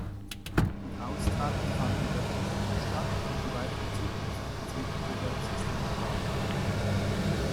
Die Austragung fand jedoch nicht statt und die weitere Zukunft des Wettbewerbs ist unklar.